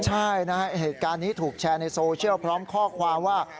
ใช่นะฮะเหตุการณ์นี้ถูกแชร์ในโซเชียลพร้อมข้อความว่า